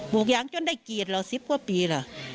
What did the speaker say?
บุกย้างจนได้กีดเราสิบกว่าปีหรอ